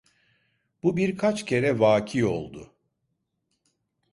Bu birkaç kere vâki oldu.